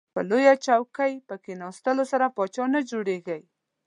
په لویه چوکۍ په کیناستلو سره پاچا نه جوړیږئ.